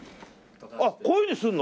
あっこういうふうにするの？